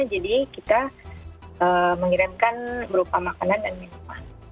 jadi kita mengirimkan berupa makanan dan minuman